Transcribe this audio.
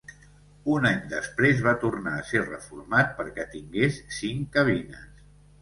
Un any després va tornar a ser reformat perquè tingués cinc cabines.